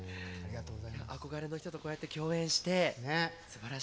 憧れの人とこうやって共演してすばらしいね。